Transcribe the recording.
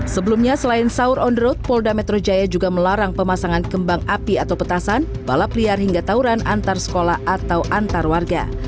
sebelumnya selain sahur on the road polda metro jaya juga melarang pemasangan kembang api atau petasan balap liar hingga tawuran antar sekolah atau antar warga